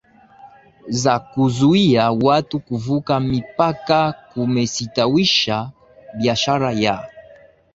za kuzuia watu kuvuka mipaka kumesitawisha biashara ya